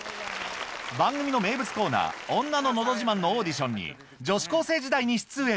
番組の名物コーナー「女ののど自慢」のオーディションに女子高生時代に出演